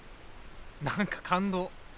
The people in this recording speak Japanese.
何か感動。